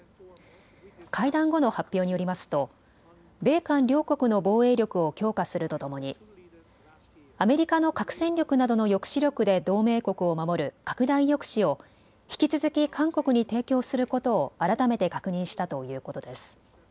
会談後の発表によりますと米韓両国の防衛力を強化するとともにアメリカの核戦力などの抑止力で同盟国を守る拡大抑止を引き続き韓国に提供することを改めて確認したということです。